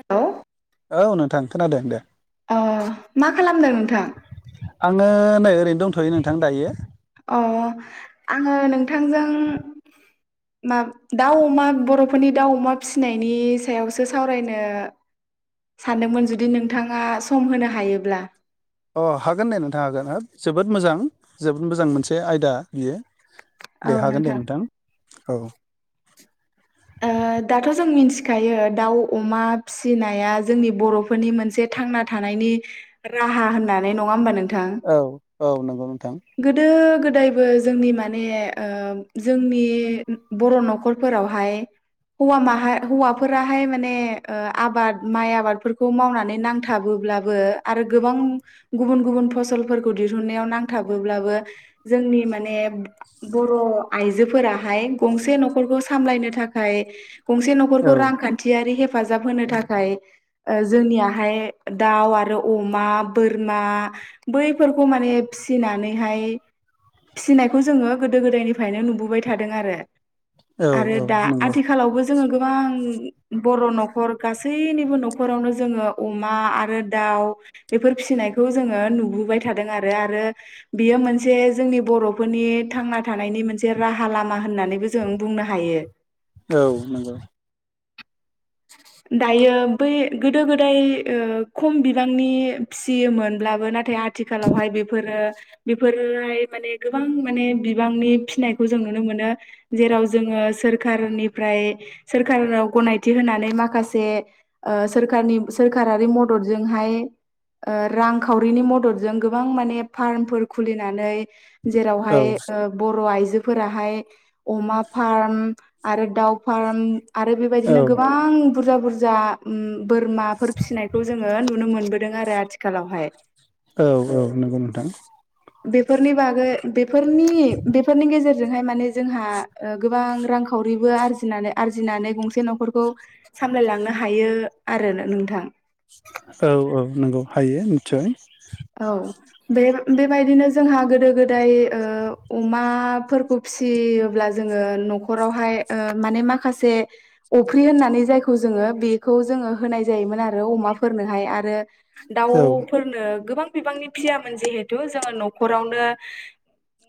हेल औ नोंथां खोनादों दे ओ मा खालामदों नोंथां आङो नै ओरैनो दंथ'यो नोंथां दायो अ आङो नोंथांजों मा दाउ अमा बर'फोरनि दाउ अमा फिसिनायनि सायावसो सावरायनो सानदोंमोन जुदि नोंथाङा सम होनो हायोब्ला अ हागोन नै नोंथां हागोन हाब जोबोद मोजां जोबोद मोजां मोनसे आयदा बियो दे हागोन दे नोंथां औ ओ दाथ' जों मिथिखायो दाउ अमा फिसिनाया जोंनि बर'फोरनि मोनसे थांना थानाय नि राहा होननानै नङा होनबा नों औ औ नंगौ नोंथां गोदो गोदाय बो जोंनि माने ओ जोंनि बर' न'खरफोरावहाय हौवा माहा हौवाफोराहाय माने आबाद माइ आबादफोरखौ मावनानै नांथाबो ब्लाबो आरो गुबुन गुबुन फसल दिहुननायाव नां थाबोब्लाबो जोंनि माने बर' आइजोफोराहाय गंसे न'खरखौ सामलायनो थाखाय गंसे न'खरखौ औ रांखान्थियारि हेफ हेफाजाब होनो थाखाय जोंनियाहाय दाउ आरो अमा बोरमा बैफोरखौ माने फिसिनानैहाय फिसिनायखौ जोङो गोदो गोदायनिफ्रायनो नुबोबाय थादों आरो औ आरो औ दा नंगौ आथिखालावबो जोङो गोबां बर' न'खर गासैनिबो न'खरावनो जोङो अमा आरो दा बेफोर फिसिनायखौ जोङो नुबोबाय थादों आरो आरो बियो मोनसे जोंनि बर'फोरनि थांना थानायनि मोनसे राहा लामा होननानैबो जों बुंनो हायो औ नंगौ [unintelligible] दायो बै गोदो गोदाय खम बिबांनि फिसियोमोनब्लाबो नाथाय आं आथिखालावहाय बेफोरो बेफोरोहाय माने गोबां माने बिबांनि फिसिनायखौ जों नुनो मोन मोनो जेराव जोङो सोरखारनिफ्राय सोरखाराव गनायथि थि होनानै माखासे सोरखारनि सोरखारारि मददजोंहाय ओ रांखावरिनि मददजों गोबां माने फार्मफोर खुलिनानै औ जेरावहाय ओ बर' आइजो फोराहाय अमा फार्म आरो दाउ फार्म आरो औ बेबायदिनो गोबां बुरजा बुरजा उम बोरमाफोर फिसिनायखौ जोङो नुनो मोनबोदों। दों आरो आथिखालावहाय औ औ नंगौ नोंथां। बेफोरनि बागै बेफोरनि बेफोरनि गेजेर जोंहाय माने जोंहा गोबां रांखावरिबो आरजिनानै आरजिनानै गंसे न'ख खौ सामलायलांनो हायो आरो नो नोंथां। औ औ नंगौ हायो निसय । औ बे बेबायदिनो जोंहा गोदो गोदाय ओ अमाफोरखौ फिसियोब्ला जोङो न'खरावहाय माने माखासे अफ्रि होननानै जायखौ जों ओ बेखौ जोङो होनाय जायोमोन आरो अमाफोरनोहाय आरो औ दावफोरनो गोबां बिबांनि फियामोन जिहेथु जोङो न'खरावनो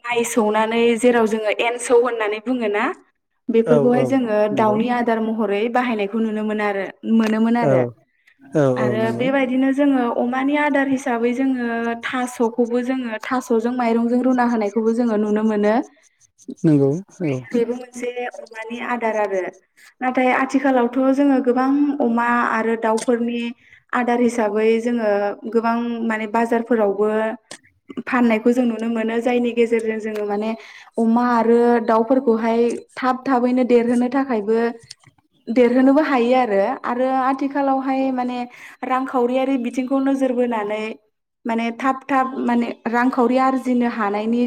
माइ सौनानै जेराव जोङो एनसौ होननानै बुङोना? औ औ बेफोरखौहाय जोङो नंगौ दाउनि आदार महरै बाहायनायखौ नुनो मोनो आरो मोनोमोन औ आरो औ औ आरो नंगौ बेबायदिनो जोङो अमानि आदार हिसाबै जोङो थास'खौबो जोङो थास'जों माइरंजों रुना होनायखौबो जोङो नुनो मोनो। नंगौ औ बेबो मोनसे अमानि आदार आरो नाथाय आथिखालावथ' जोङो गोबां अमा आरो दाउफोरनि आदार हिसाबै जोङो गोबां माने बाजारफोरावबो फाननायखौ जों नुनो मोनो जायनि गेजेरजों जोङो माने अमा आरो दाउफोरखौहाय थाब थाबैनो देरहोनो थाखायबो देरहोनोबो हायो आरो आरो आथिखालावहाय माने रांखावरियारि बिथिंखौ नोजोर बोनानै माने थाब थाब माने रांखावरि आरजिनो हानायनि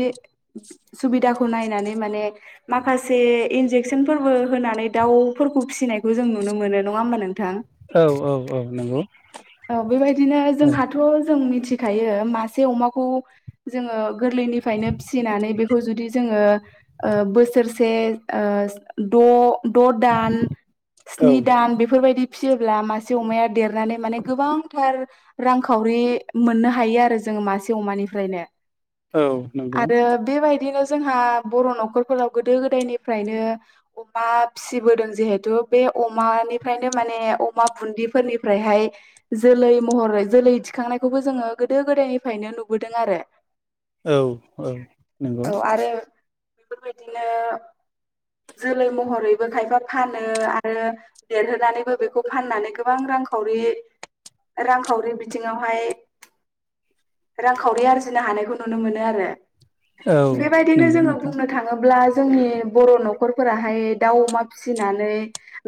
सुबिदाखौ नायनानै होनाय माने माखासे इनजेकसन फोरबो होनानै दाउफोरखौ फिसिनायखौ जों नुनो मोनो। नङा ओमबा नोंथां। औ औ औ नंगौ। औ बेबायदिनो औ जोंहाथ' जों मिथिखायो मासे अमाखौ जोङो गोरलैनिफ्रायनो फिसिनानै बेखौ जुदि जों ङो ओ बोसोरसे ओ द' द' दान औ स्नि दान बेफोरबायदि फिसियोब्ला मासे अमाया देरनानै माने गोबांथार। रांखावरि मोननो हायो आरो जोङो मासे अमानिफ्रायनो औ नंगौ आरो बेबायदिनो जोंहा बर' न'खरफोराव गोदो गोदायनिफ्रायनो अमा फिसिबोदों जिहेथु बे अमानिफ्रायनो माने अमा बुन्दफोरनिफ्रायहाय जोलै महर जोलै दिखांनायखौबो जोङो गोदो गोदायनिफ्रायनो नुबोदों आरो औ औ नंगौ। औ आरो बेफोरबायदिनो जोलै महरैबो खायफा फानो आरो देरहोनानैबो बेखौ फाननानै गोबां रां रांखरि रांखावरि बि बिथिङावहाय रांखावरि आरजिनो हानायखौ नुनो मोनो आरो औ बेबायदिनो नंगौ जोङो नोंथां बुंनो थाङोब्ला जोंनि बर' न'खरफोराहाय दाउ अमा फिसिनानै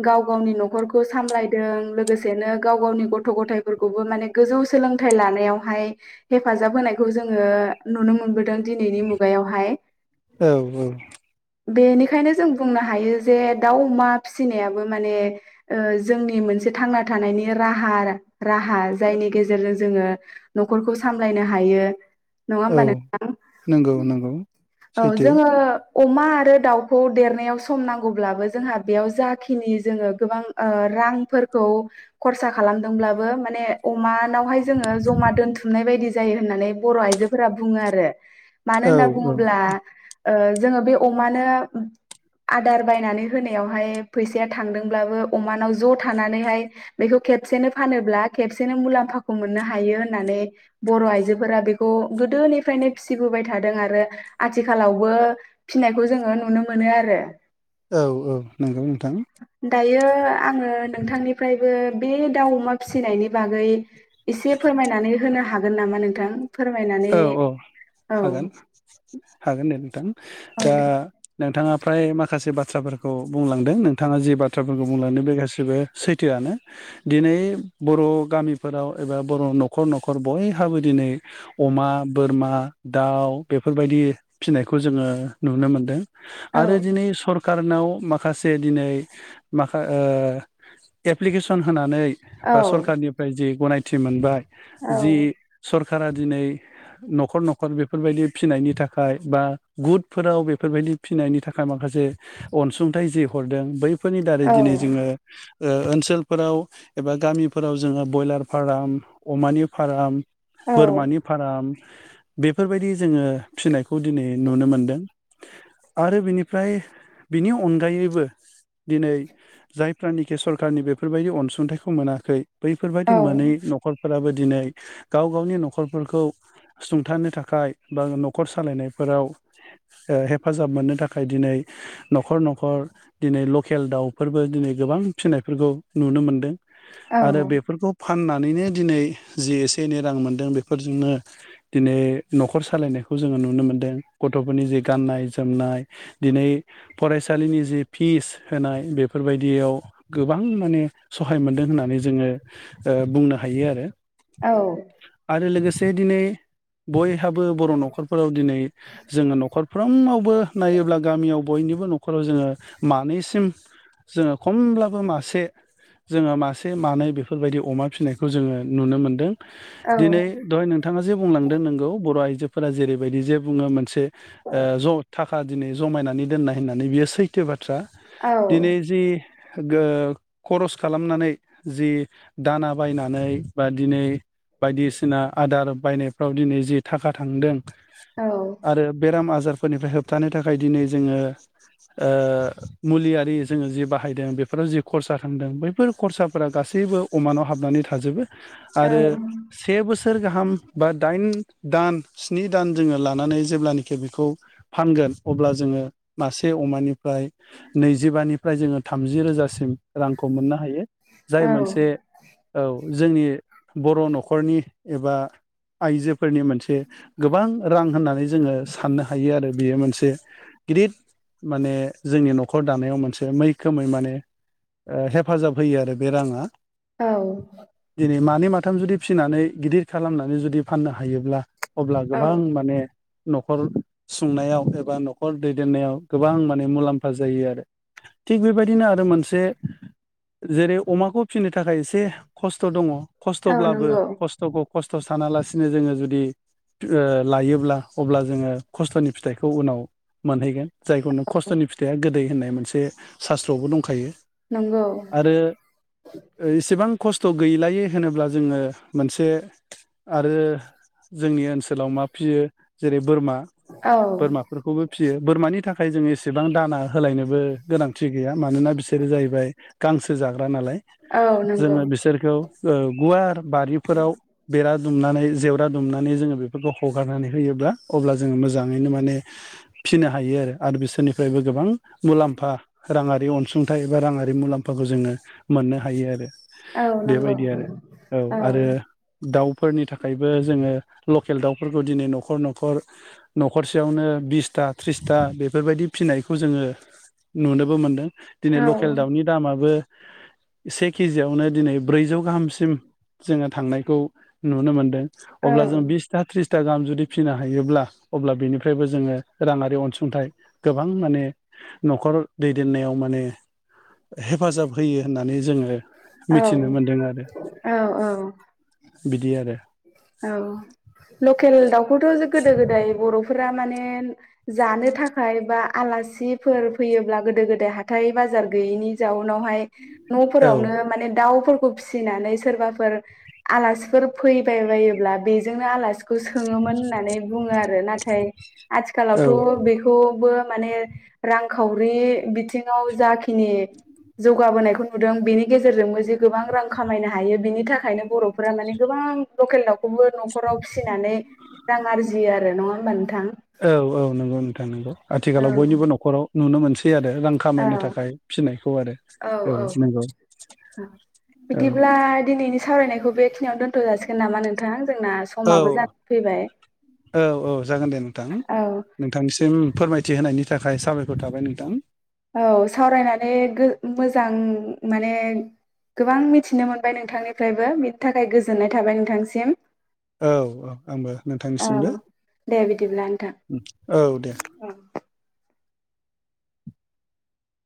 गाव गावनि न'खरखौ सामलाय दों लोगोसेनो गाव गावनि गथ' गथफोरखौबो माने गोजौ सोलोंथाइ लानायावहाय हेफाजाब होनायखौ जोङो नुनो मोनबोदों दिनैनि मुगायाव आवहाय औ औ। बेनिखायनो जों बुंनो हायो जे दाउ अमा फिसिनायाबो माने जोंनि मोन मोनसे थांना थानायनि राहा आरो राहा। जायनि गेजेरजों जोङो न'खरखौ सामलायनो हायो। नङा औ होमबा नोंथां? नंगौ नंगौ औ सैथो जोङो अमा आरो दाउखौ देरनायाव सम नांगौब्लाबो जोंहा बेयाव जाखिनि जोङो गोबां ओ रांफोरखौ खरसा खालामदोंब्लाबो माने अमानावहाय जोङो ज'मा दोनथुमनाय बायदि जायो होननानै बर' आइजोफोरा बुङो आरो। मानो औ होनना औ बुङोब्ला जोङो बे अमानो उम आदार बायनानै होनायावहाय फैसाया थांदोंब्लाबो अमानाव ज' थानानैहाय बेखौ खेबसेनो फानोब्ला खेबसे सेनो मुलाम्फाखौ मोननो हायो होननानै बर' आइजोफोरा बेखौ गोदोनिफ्रायनो फिसिबोबाय थाद दों आरो आथिखालावबो फिनायखौ जोङो नुनो मोनो आरो। औ औ नंगौ नोंथां। दायो आङो नोंथांनिफ्रायबो बे दाउ अमा फिसिनायनिफ बागै एसे फोरमायनानै होनो हागोन नामा नोंथां? औ फोरमायनानै औ औ हागोन हागोन दे नोंथां। औ दा दे नोंथाङा फ्राय माखासे बाथ्राफोरखौ बुंलांदों नोंथाङा जि बाथ्राफोरखौ बुंलांदों बे गासिबो सैथोआनो। दिनै बर' गामिफोराव एबा बर' न'खर न'खर बयहाबो दिनै अमा, बोरमा, दाउ बेफोरबायदि फिसिनायखौ जोङो नुनो मोनदों। औ आरो दिनै सरक कारनाव माखासे दिनै माखा एप्लिकेसन होनानै औ बा सरखारनिफ्राय जि गनायथि मोनबाय औ जि सरकारा दिनै न'खर न'खर बेफोरबायदि फिनायनि थाखाय बा गुटफोराव बेफोरबायदि फिनायनि थाख माखासे अनसुंथाइ जि हरदों बैफोरनि दारै दिनै औ जोङो ओनसोलफोराव एबा गामिफोराव जोङो बयलार फाराम अमानि फाराम औ। राम बेफोरबायदि जोङो फिसिनायखौ दिनै नुनो मोनदों। आरो बिनिफ्राय बिनि अनगायैबो दिनै जायफ्रानोखि सरखारारनि बेफोरबायदि अनसुंथाइखौ मोनाखै बैफोरबायदि मोनै न'खरफोराबो दिनै गाव-गावनि न'खर फोरखौ सुंथानो थाखाय बा न'खर सालायनायफोराव ओ हेफाजाब मोननो थाखाय दिनै न'खर न'खर दिनै लकेल दाउफोरबो दिनै गोबां फिसिनायफोरखौ नुनो मोनदों। आरो औ बेफोरखौ फाननानैनो दिनै जि एसे एनै रां मोनदों बे फोरजोंनो दिनै न'खर सालायनायखौ जोङो नुनो मोनदों। गथ'फोरनि जे गाननाय जोमना नाय दिनै फरायसालिनि जि फिस होनाय बेफोरबायदियाव गोबां माने सहाय मोनदों होननानै जोङो ओ बुंनो हायो आरो। औ। आरो लोगोसे दिनै बयहाबो बर' न'खरफोराव दिनै जोङो न'खर साफ्रोमावबो नायोब्ला गामियाव बयनिबो न'ख फोराव जोङो मानैसिम जोङो खमब्लाबो मासे जोङो मासे मानै बेफोरबायदि अमा फिसिनायखौ जोङो नुनो मोनदों। औ दिनै दहाय नोंथाङा जे बुंलांदों नोंगौ बर' आइजोफोरा जेरैबायदि जे बुङो मोनसे ओ ज' थाखा दिनै जमायनानै दोननाय होननानै बियो सैथो बा थ्रा दिनै जि गो खरस खालामनानै जि दाना बायनानै बा दिनै बायदिसिना आदार बायनायफ्राव दिनै जि थाखा थांदों औ आरो बेराम आज बाजारफोरनिफ्राय होबथानो थाखाय दिनै जोङो ओ मुलियारि जोङो जि बाहायदों बेफोराव जि खरसा खालामदों बैफोर खरसाफोरा गासैबो [unintelligible] अमानाव हाबनानै थाजोबो औ आरो से बोसोर गाहाम बा दाइन दान स्नि दान जोङो लानानै जेब्लानाखि बेखौ फानगोन अब्ला जोङो मासे अमानिफ्राय नैजिबानिफ्राय जोङो थामजि रोजासिम रांखौ मोननो हायो जाय मोनसे औ जोंनि बर' न' न'खरनि एबा आइजोफोरनि मोनसे गोबां रां होननानै जोङो साननो हायो आरो बियो मोनसे गिदिर माने जोंनि न'खर दानायाव मोनसे मैखोमै माने ओ हेफाजाब होयो आरो बे राङा औ दिनै मानै माथाम जुदि फिसिनानै गिदिर खालामनानै जुदि फाननो हायोब्ला अब्ला औ गोबां माने न'खर संनायाव एबा न'खर दैदेननायाव गोबां माने मुलाम्फा जायो आरो थिग बेबायदिनो आरो मोनसे जेरै अमाखौ फिसिनो थाखाय एसे खस्थ' दङ औ खस्थ'ब्लाबो नंगौ खस्थ'खौ खस्थ' सानालासिनो जोङो जुदि ओ लायोब्ला अब्ला जोङो खस्थ'नि फिथाइखौ उनाव मोनहैगोन जायखौ नों खस्थ'नि फिथाइया गोदै होननाय मोनसे सास्त्रआवबो दंखायो नंगौ आरो एसेबां खस्थ' गैलायो होनोब्ला जोङो मोनसे आरो जोंनि ओनसोलाव मा फियो जेरै बोरमा औ बोरमाफोरखौबो फिसियो बोरमानि थाखाय जों एसेबां दाना होलायनो बो गोनांथि गैया मानोना बिसोरो जाहैबाय गांसो जाग्रा नालाय औ नंगौ जोङो बिसोरखौ ओ गुवार बारिफोराव बेरा दुमनानै जेवरा दुमनानै जोङो बेफोरखौ हगारनानै होयोब्ला अब्ला जोङो मोजाङैनो माने फिसिनो हायो आरो आरो बिसोरनिफ्रायबो गोबां मुलाम्फा राङारि अनसुंथाइ बा राङारि मुलाम्फाखौ जोङो मोननो हायो आरो औ नंगौ बेबायदि आरो औ आरो दाउ फोरनि थाखायबो जोङो लकेल दाउफोरखौ दिनै न'खर न'खर न'खरसेयावनो बिस था थ्रिसथा बेफोरबायदि फिनायखौ जोङो नुनोबो मोनदों दिनै औ लकेल दाउनि दामाबो से केजियाववनो दिनै ब्रैजौ गाहामसिम जोङो थांनायखौ नुनो मोनदों अब्ला जों औ बिसथा थ्रिस था गाम जुदि फिनो हायोब्ला अब्ला बेनिफ्रायबो जोङो राङारि अनसुंथाइ गोबां माने न'खर दैदेननायाव माने हेफाजाब होयो होननानै जोङो औ मिथिनो मोनदों आरो औ औ बिदि आरो औ लकेल दाउखौथ' गोदो गोदाय बर' फोरा माने जानो थाखाय बा आलासीफोर फैयोब्ला गोदो गोदाय हाथाइ बाजार जार गैयैनि जाउनावहाय औ न'फोरावनो माने दाउफोरखौ फिसिनानै सोरबाफोर आलासिफोर फैबाय बायोब्ला बेजोंनो आलासि खौ सोङोमोन होननानै बुङो आरो नाथाय औ आथिखालावथ' बेखौबो माने रांखावरि बिथिङाव जाखिनि जौगाबोनायखौ नुदों बेनि गेजेरजोंबो जे गोबां रां खामायनो हायो बिनि थाखायनो बर'फोरा माने गोबां लकेल दाउखौबो न'खराव फिसिनानै रां आरजियो आरो नङा होमबा नों औ औ नंगौ नोंथां नंगौ औ आथिखालाव बयनिबो न'खराव नुनो मोनसै आरो रां खामायनो थाखाय फिसिनायखौ आरो औ नंगौ औ बिदिब्ला दिनैनि सावरायनायखौ बे खिनियावनो दोन्थ' जासिगोन नामा नोंथां जोंना औ समाबो जानानै फैबाय औ औ जागोन दे नोंथां औ नोंथांनिसिम फोरमायथि होनायनि थाखाय साबायखर थाबाय नोंथां । औ सावराय गोबां मिथिनो मोनबाय नोंथांनिफ्रायबो बिनि थाखाय गोजोननाय थाबाय नोंथांसिम । औ । दे बिदिब्ला नोंथां। औ दे । औ